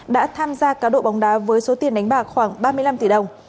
đã tham gia cá độ bóng đá với số tiền đánh bạc khoảng ba mươi năm tỷ đồng